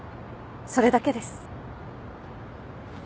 それだけです。